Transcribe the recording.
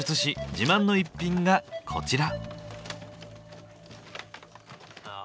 自慢の一品がこちら。